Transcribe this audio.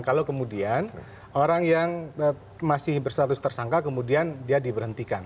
kalau kemudian orang yang masih berstatus tersangka kemudian dia diberhentikan